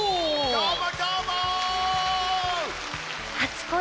どーも！